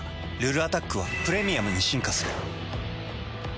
「ルルアタック」は「プレミアム」に進化する。